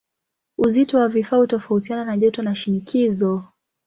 Uzito wa vifaa hutofautiana na joto na shinikizo.